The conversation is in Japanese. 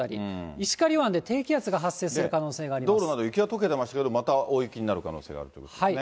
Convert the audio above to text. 石狩湾で低気圧が発生する可能性道路など、雪がとけても、また大雪になる可能性があるということですね。